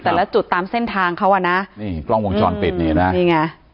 แต่ละจุดตามเส้นทางเขาอ่ะนะนี่กล้องวงจรปิดนี่เห็นไหมนี่ไง